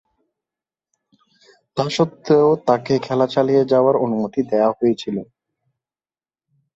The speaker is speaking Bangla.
তাস্বত্ত্বেও তাকে খেলা চালিয়ে যাবার অনুমতি দেয়া হয়েছিল।